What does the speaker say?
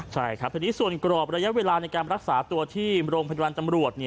ใช่ครับทีนี้ส่วนกรอบระยะเวลาในการรักษาตัวที่โรงพยาบาลตำรวจ